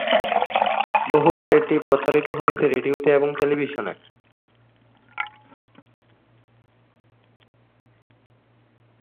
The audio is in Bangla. বহুবার এটি প্রচারিত হয়েছে রেডিওতে এবং টেলিভিশনে।